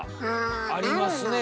ありますねえ。